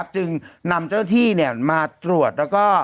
จึงนำเจ้าที่มาตรวจแล้วก็